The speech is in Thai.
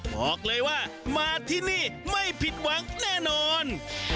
บอกเลยว่ามาที่นี่ไม่ผิดหวังแน่นอน